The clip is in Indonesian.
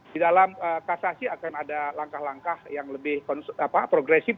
di dalam kasasi akan ada langkah langkah yang lebih progresif